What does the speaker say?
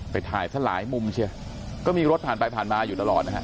ไปถ่ายซะหลายมุมเชียก็มีรถผ่านไปผ่านมาอยู่ตลอดนะฮะ